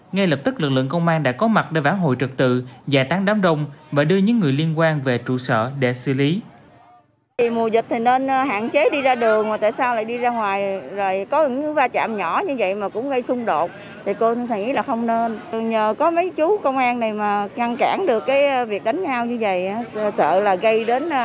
ngay lập tức lực lượng công an đã có mặt để vãn hồi trật tự giải tán đám đông và đưa những người liên quan về trụ sở để xử lý